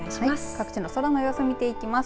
各地の空の様子を見ていきます。